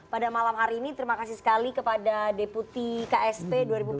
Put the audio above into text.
pada malam hari ini terima kasih sekali kepada deputi ksp dua ribu empat belas dua ribu sembilan belas